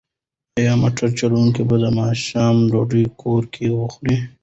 ایا موټر چلونکی به د ماښام ډوډۍ کور کې وخوري؟